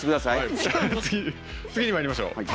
次にまいりましょう。